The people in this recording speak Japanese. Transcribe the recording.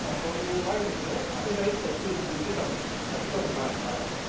ういうワインのねスペシャリストが来るってってたんだけど竹山さんが。